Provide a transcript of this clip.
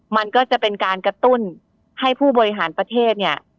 มันก็จะเป็นการกระตุ้นให้ผู้บริหารประเทศเนี่ย